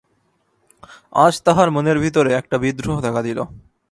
আজ তাহার মনের ভিতরে একটা বিদ্রোহ দেখা দিল।